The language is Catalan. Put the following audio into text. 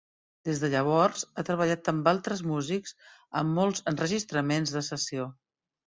Des de llavors, ha treballat amb altres músics en molts enregistraments de sessió.